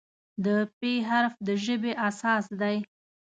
د "پ" حرف د ژبې اساس دی.